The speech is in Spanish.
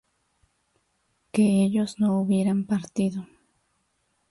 que ellos no hubieran partido